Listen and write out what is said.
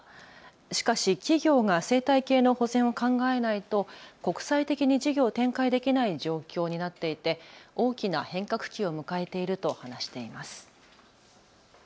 しかし企業が生態系の保全を考えないと国際的に事業を展開できない状況になっていて大きな変革期を迎えていると話しています。